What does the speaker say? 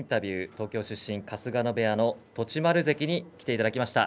東京出身、春日野部屋の栃丸関に来ていただきました。